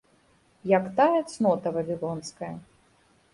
Як тая цнота вавілонская.